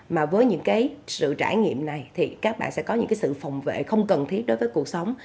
mà với những cái sự trải nghiệm này thì các bạn sẽ có những cái sự phòng vệ không cần thiết đối với cuộc sống